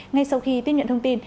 ngay sau khi tiếp nhận thông tin